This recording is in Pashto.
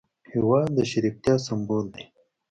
هېواد د شریکتیا سمبول دی.